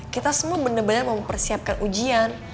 kita semua bener bener mau persiapkan ujian